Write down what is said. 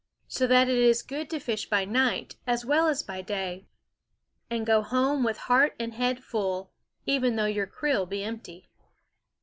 So that it is good to fish by night, as well as by day, and go home with heart and head full, even though your creel be empty.